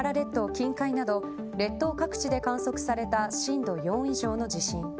近海など列島各地で観測された震度４以上の地震。